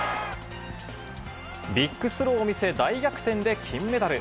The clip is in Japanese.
ビッグスローを見せ、大逆転で金メダル。